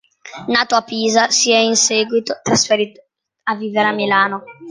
Nato a Pisa, si è in seguito trasferito a vivere a Milano.